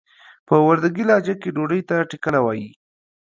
په وردګي لهجه ډوډۍ ته ټکله وايي.